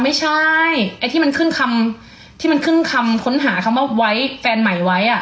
ไม่ใช่ไอ้ที่มันขึ้นคำที่มันขึ้นคำค้นหาคำว่าไว้แฟนใหม่ไว้อ่ะ